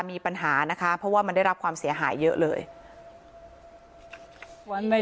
มีปัญหานะคะเพราะว่ามันได้รับความเสียหายเยอะเลย